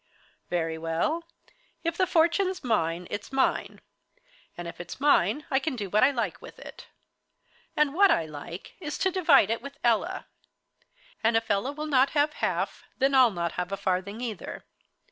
"Very well; if the fortune's mine, it's mine. And if it's mine I can do what I like with it. And what I like, is to divide it with Ella; and if Ella will not have half, then I'll not have a farthing either.